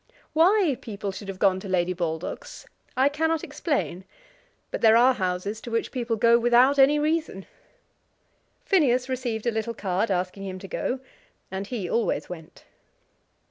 Why people should have gone to Lady Baldock's I cannot explain; but there are houses to which people go without any reason. Phineas received a little card asking him to go, and he always went.